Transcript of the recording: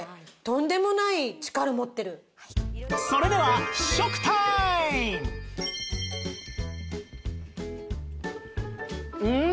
それではうん。